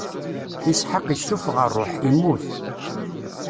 Isḥaq issufeɣ ṛṛuḥ, immut.